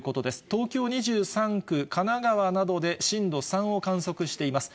東京２３区、神奈川などで震度３を観測しています。